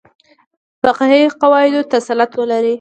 فقهي قواعدو تسلط ولري.